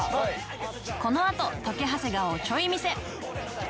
このあと溶け長谷川をちょい見せ